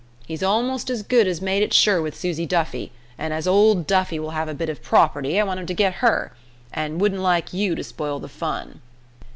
He's almost as good as made it sure with Susie Duffy, an' as ole Duffy will have a bit ev prawperty I want him to git her, an' wouldn't like ye to spoil the fun."